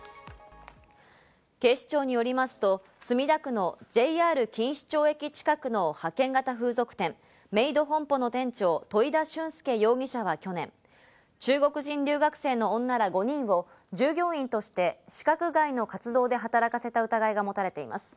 警視庁によりますと、墨田区のＪＲ錦糸町駅近くの派遣型風俗店、メイド本舗の店長・樋田俊介容疑者は、去年、中国人留学生の女ら５人を従業員として資格外の活動で働かせた疑いが持たれています。